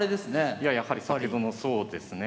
いややはり先ほどのそうですね。